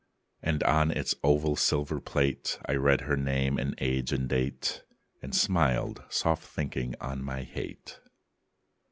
And on its oval silver plate I read her name and age and date, And smiled, soft thinking on my hate.